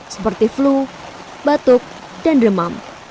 seperti flu batuk dan demam